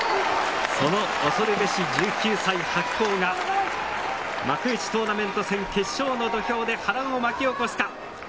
その恐るべし１９歳、白鵬が幕内トーナメント戦決勝の土俵で波乱を巻き起こすか。